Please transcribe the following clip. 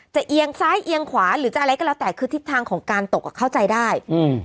เอียงซ้ายเอียงขวาหรือจะอะไรก็แล้วแต่คือทิศทางของการตกอ่ะเข้าใจได้อืม